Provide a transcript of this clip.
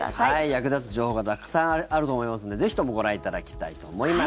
役立つ情報がたくさんあると思いますのでぜひともご覧いただきたいと思います。